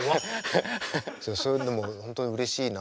そういうのも本当にうれしいな。